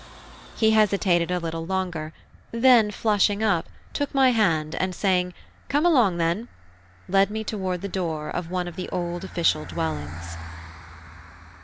He hesitated a little longer, then flushing up, took my hand, and saying, "Come along, then!" led me toward the door of one of the old official dwellings.